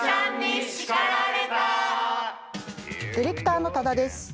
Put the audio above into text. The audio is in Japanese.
ディレクターの多田です。